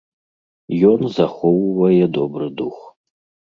Ён захоўвае добры дух.